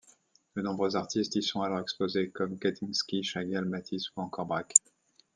De nombreux artistes y sont alors exposés comme Kandinsky, Chagall, Matisse ou encore Braque.